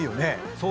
そう？